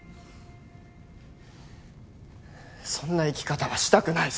そんな生き方はしたくない。